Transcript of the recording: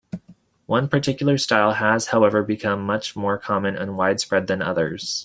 One particular style has, however, become much more common and widespread than others.